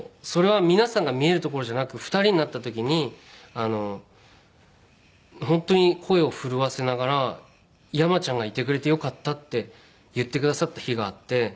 それは皆さんが見える所じゃなく２人になった時に本当に声を震わせながら「山ちゃんがいてくれてよかった」って言ってくださった日があって。